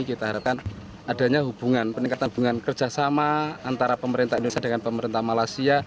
kita harapkan adanya hubungan peningkatan hubungan kerjasama antara pemerintah indonesia dengan pemerintah malaysia